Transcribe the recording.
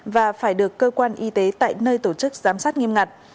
và phải được cơ quan y tế tại nơi tổ chức giám sát nghiêm ngặt